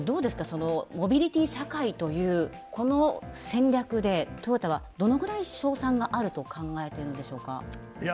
そのモビリティ社会というこの戦略でトヨタはどのぐらい勝算があると考えてるんでしょうか。